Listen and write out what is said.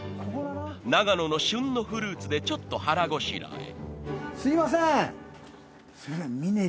［長野の旬のフルーツでちょっと腹ごしらえ］